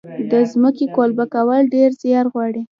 د ځمکې قلبه کول ډیر زیار غواړي.